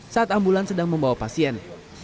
saat ambulans sedang membawa pasien